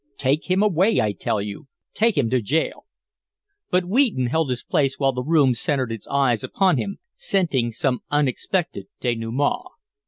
"Take him away, I tell you! Take him to jail." But Wheaton held his place while the room centred its eyes upon him, scenting some unexpected denouement.